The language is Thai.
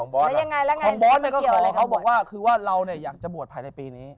บอสก็บอกว่าเราอยากจะบวชภายในปีนี้